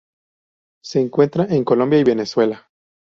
Se encuentra en Colombia y Venezuela.